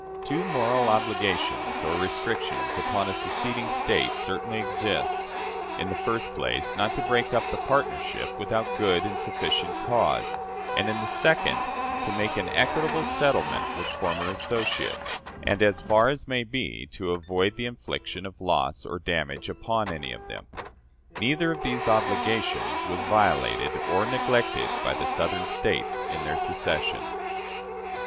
Two moral obligations or restrictions upon a seceding State certainly exist: in the first place, not to break up the partnership without good and sufficient cause; and, in the second, to make an equitable settlement with former associates, and, as far as may be, to avoid the infliction of loss or damage upon any of them. Neither of these obligations was violated or neglected by the Southern States in their secession.